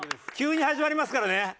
急に始まりますからね。